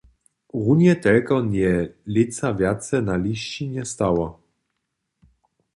Runje telko njeje lětsa wjace na lisćinje stało.